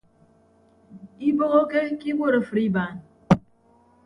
Iibohoke ke iwuot afịt ibaan.